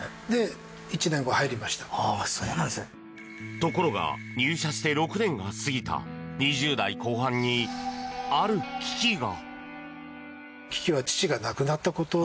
ところが入社して６年が過ぎた２０代後半に、ある危機が。